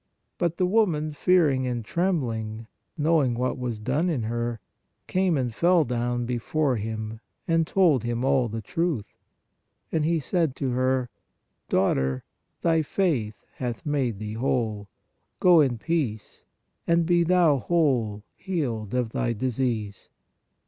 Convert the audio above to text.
But the woman fearing and trembling, knowing what was done in her, came and fell down before Him, and told Him all the truth. And He said to her: Daughter, thy faith hath made thee whole; go in peace, and be thou whole (healed) of thy disease.